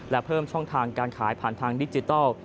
และเพิ่มช่องทางการขายผ่านทางดิจิทัล